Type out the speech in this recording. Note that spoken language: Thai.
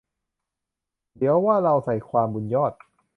เดี๋ยวว่าเราใส่ความ บุญยอด